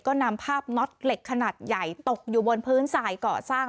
ก็นำภาพน็อตเหล็กขนาดใหญ่ตกอยู่บนพื้นสายเกาะสร้าง